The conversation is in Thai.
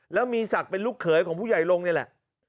แล้วมีศักดิ์เป็นลูกเขยของผู้ใหญ่ลงนี่แหละ